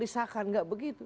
disahkan nggak begitu